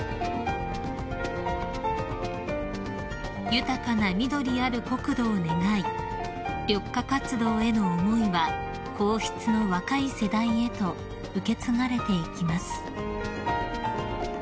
［豊かな緑ある国土を願い緑化活動への思いは皇室の若い世代へと受け継がれていきます］